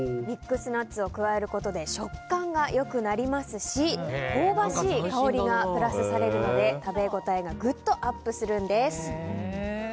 ミックスナッツを加えることで食感が良くなりますし香ばしい香りがプラスされるので食べ応えがグッとアップするんです。